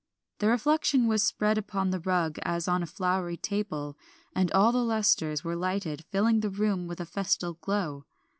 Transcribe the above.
The refection was spread upon the rug as on a flowery table, and all the lustres were lighted, filling the room with a festal glow.